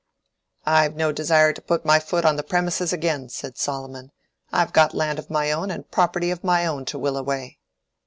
"I've no desire to put my foot on the premises again," said Solomon. "I've got land of my own and property of my own to will away."